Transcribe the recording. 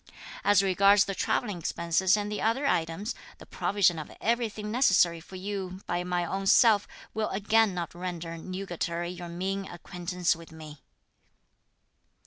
As regards the travelling expenses and the other items, the provision of everything necessary for you by my own self will again not render nugatory your mean acquaintance with me."